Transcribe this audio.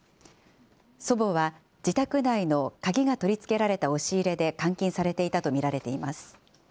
祖母は自宅内の鍵が取り付けられた押し入れで監禁されていたと見られています。